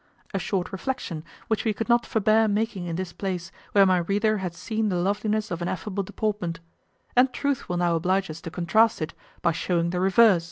A short reflection, which we could not forbear making in this place, where my reader hath seen the loveliness of an affable deportment; and truth will now oblige us to contrast it, by showing the reverse.